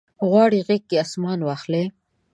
غواړي غیږ کې اسمان واخلي